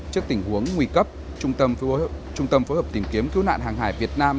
trước tình huống nguy cấp trung tâm phối hợp tìm kiếm cứu nạn hàng hải việt nam